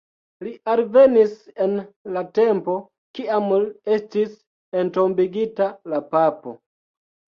Li alvenis en la tempo, kiam estis entombigita la papo.